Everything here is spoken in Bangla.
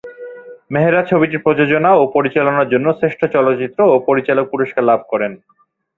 মেহরা ছবিটি প্রযোজনা ও পরিচালনার জন্য শ্রেষ্ঠ চলচ্চিত্র ও পরিচালক পুরস্কার লাভ করেন।